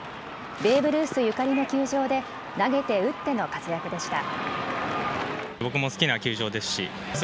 ベーブ・ルースゆかりの球場で投げて打っての活躍でした。